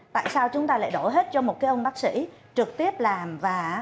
tại sao chúng ta lại đổ hết cho một ông bác sĩ trực tiếp làm và